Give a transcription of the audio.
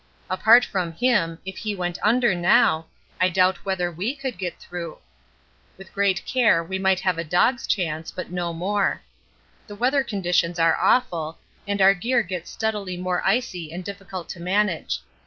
Apart from him, if he went under now, I doubt whether we could get through. With great care we might have a dog's chance, but no more. The weather conditions are awful, and our gear gets steadily more icy and difficult to manage.